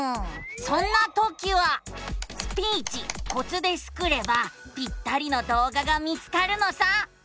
そんなときは「スピーチコツ」でスクればぴったりの動画が見つかるのさ。